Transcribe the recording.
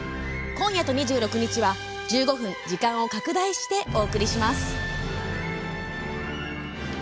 今夜と２６日は１５分時間を拡大してお送りします。